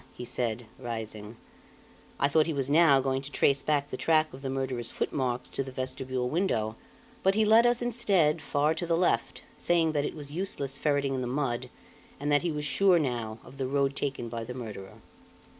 he said, rising. I thought he was now going to trace back the track of the murderer's footmarks to the vestibule window; but he led us instead, far to the left, saying that it was useless ferreting in the mud, and that he was sure, now, of the road taken by the murderer.